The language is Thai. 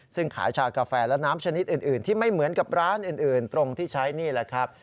ซึ่งขายชากาแฟและน้ำชนิดอื่นที่ไม่เหมือนกับร้านอื่นตรงที่ใช้นี่แหละครับ